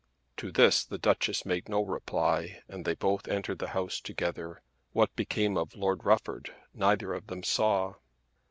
To this the Duchess made no reply, and they both entered the house together. What became of Lord Rufford neither of them saw.